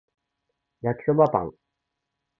焼きそばパン